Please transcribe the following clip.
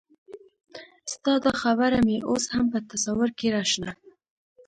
ستا دا خبره مې اوس هم په تصور کې راشنه